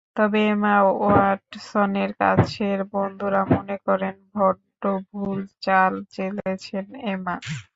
তবে এমা ওয়াটসনের কাছের বন্ধুরা মনে করেন, বড্ড ভুল চাল চেলেছেন এমা।